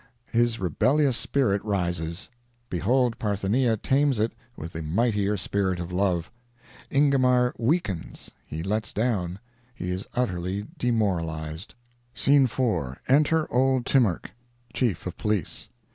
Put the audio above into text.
His rebellious spirit rises. Behold Parthenia tames it with the mightier spirit of Love. Ingomar weakens—he lets down—he is utterly demoralized. Scene 4.—Enter old Timarch, Chief of Police.